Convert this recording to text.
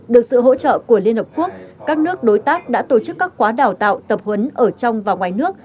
được sự hỗ trợ của liên hợp quốc các nước đối tác đã tổ chức các khóa đào tạo tập huấn ở trong và ngoài nước